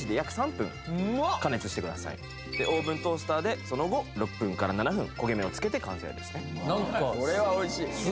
オーブントースターでその後６分から７分焦げ目をつけて完成ですね